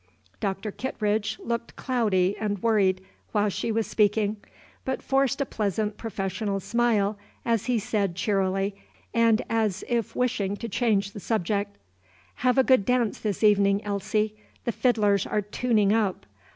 Doctor Kittredge looked cloudy and worried while she was speaking, but forced a pleasant professional smile, as he said cheerily, and as if wishing to change the subject, "Have a good dance this evening, Elsie. The fiddlers are tuning up.